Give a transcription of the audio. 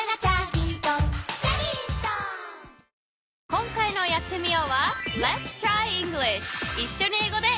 今回の「やってみよう！」は。